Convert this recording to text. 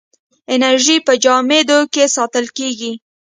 انرژي په جامدو کې ساتل کېږي.